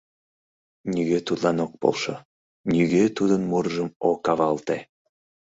Нигӧ тудлан ок полшо, нигӧ тудын мурыжым ок авалте.